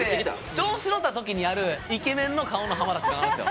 調子乗ったときにやるイケメンの顔の濱田あるんすよ。